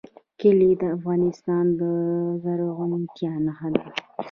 کلي د افغانستان د زرغونتیا نښه ده.